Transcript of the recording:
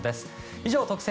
以上、特選！！